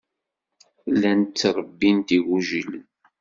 Llant ttṛebbint igujilen.